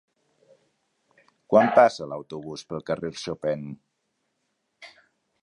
Quan passa l'autobús pel carrer Chopin?